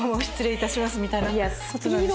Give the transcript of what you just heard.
失礼いたします」みたいな。